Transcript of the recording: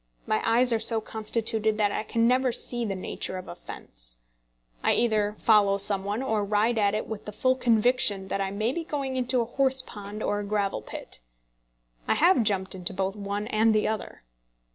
My eyes are so constituted that I can never see the nature of a fence. I either follow some one, or ride at it with the full conviction that I may be going into a horse pond or a gravel pit. I have jumped into both one and the other.